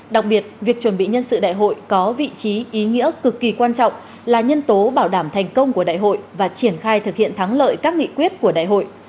đặc biệt việc chuẩn bị nhân sự đại hội có vị trí ý nghĩa cực kỳ quan trọng là nhân tố bảo đảm thành công của đại hội và triển khai thực hiện thắng lợi các nghị quyết của đại hội